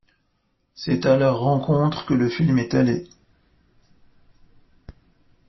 C’est à leurs rencontres que le film est allé.